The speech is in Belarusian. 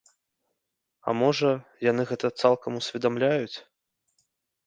А можа, яны гэта цалкам усведамляюць?